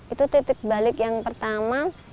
itu titik balik yang pertama